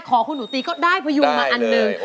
ขอคุณหนูทรีย์ก็ได้พายุมาอันหนึ่ง